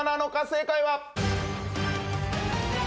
正解は。